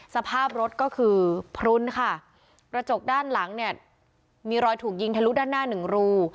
สภาพรถก็คือพลุ้นค่ะกระจกด้านหลังเนี่ยมีรอยถูกยิงทะลุด้านหน้าหนึ่งรู